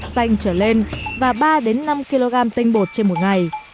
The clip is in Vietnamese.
xanh trở lên và ba năm kg tinh bột trên một ngày